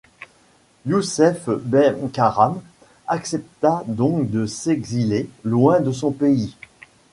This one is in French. Youssef Bey Karam accepta donc de s'exiler loin de son pays.